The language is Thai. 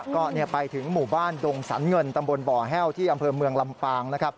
ก็ไปถึงหมู่บ้านดงสรรเงินตำบลบ่อแห้วที่อำเภอเมืองลำปางนะครับ